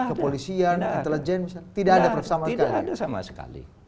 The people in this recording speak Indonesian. ke polisian intelijen tidak ada prof sama sekali